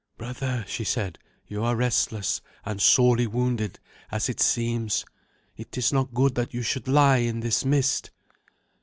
"Brother," she said, "you are restless and sorely wounded, as it seems. It is not good that you should lie in this mist."